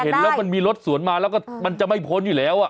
เห็นแล้วมันมีรถสวนมาแล้วก็มันจะไม่พ้นอยู่แล้ว